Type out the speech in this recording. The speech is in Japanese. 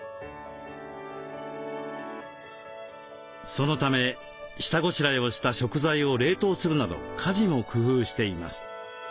そのため下ごしらえをした食材を冷凍するなど家事も工夫しています。